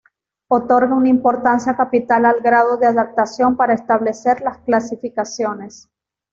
Otorga una importancia capital al grado de adaptación para establecer las clasificaciones.